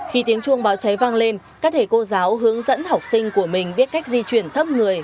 khi tiếng chuông báo cháy vang lên các thể cô giáo hướng dẫn học sinh của mình biết cách di chuyển thấp người